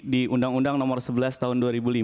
di undang undang nomor sebelas tahun